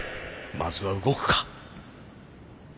まずは動くか。